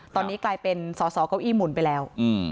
ตอนนี้กลายเป็นสอสอเก้าอี้หมุนไปแล้ว